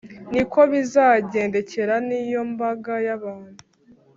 Ni ko bizagendekera n’iyo mbaga y’abantu,